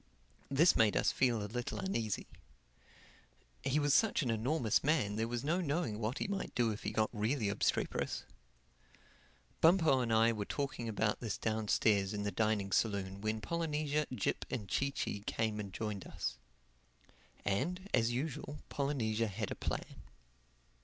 This made us feel a little uneasy. He was such an enormous man there was no knowing what he might do if he got really obstreperous. Bumpo and I were talking about this downstairs in the dining saloon when Polynesia, Jip and Chee Chee came and joined us. And, as usual, Polynesia had a plan.